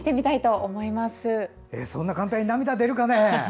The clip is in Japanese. そんな簡単に涙、出るかね？